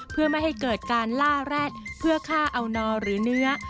เพื่อไม่ให้เกิดการล่าแร็ดเพื่อฆ่าเอานอหรือเนื้อ